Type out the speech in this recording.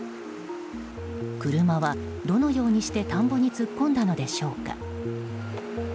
車はどのようにして田んぼに突っ込んだのでしょうか。